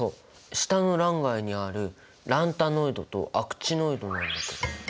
下の欄外にあるランタノイドとアクチノイドなんだけど。